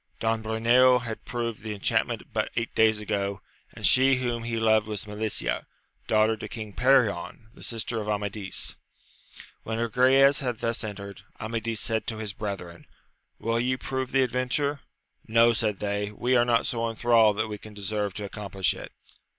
Don Bruneo had proved the enchantment but eight days ago, and she whom he loved was Melicia, daughter to King Perion, the sister of Amadis. When Agrayes had thus entered, Amadis said to his brethren, will ye prove the adventure 1 No, said they, we are not so enthralled that we can deserve to ac complish it.